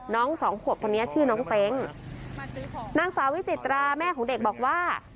สองขวบคนนี้ชื่อน้องเต๊งนางสาววิจิตราแม่ของเด็กบอกว่า